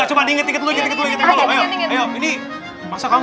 apa ya pak ustadz